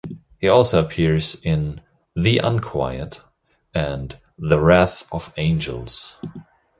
He also appears in "The Unquiet" and "The Wrath of Angels".